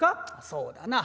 「そうだな。